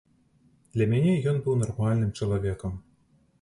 Для мяне ён быў нармальным чалавекам.